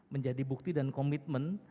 menjadi bukti dan komitmen